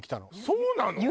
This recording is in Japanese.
そうなの？